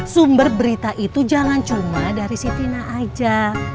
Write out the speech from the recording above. sumber berita itu jangan cuma dari si tina aja